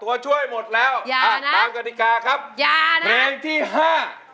ตัวช่วยหมดแล้วอย่านะตามกฎิกาครับอย่านะเพลงที่ห้า